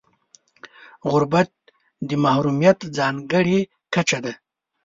غربت د محرومیت ځانګړې کچه ده.